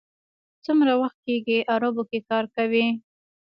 څومره وخت کېږي عربو کې کار کوئ.